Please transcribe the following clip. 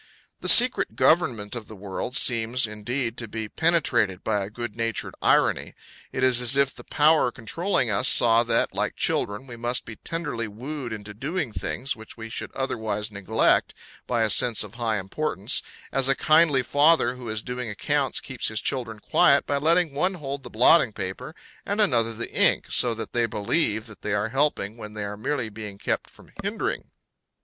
The secret government of the world seems, indeed, to be penetrated by a good natured irony; it is as if the Power controlling us saw that, like children, we must be tenderly wooed into doing things which we should otherwise neglect, by a sense of high importance, as a kindly father who is doing accounts keeps his children quiet by letting one hold the blotting paper and another the ink, so that they believe that they are helping when they are merely being kept from hindering.